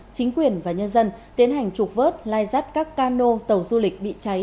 chính quyền và nhân dân tiến hành trục vớt lai rắt các cano tàu du lịch bị cháy